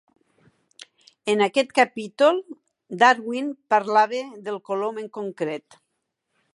En aquest capítol, Darwin parlava del colom en concret.